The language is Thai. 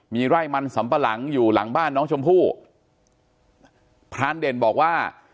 มีไร่มันสำปะหลังอยู่หลังบ้านน้องชมพู่พรานเด่นบอกว่า